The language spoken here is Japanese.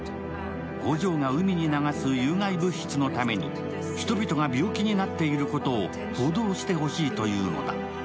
工場が海に流す有害物質のために、人々が病気になっていることを報道してほしいというのだ。